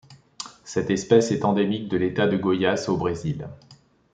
Cette espèce est endémique de l'État de Goiás au Brésil.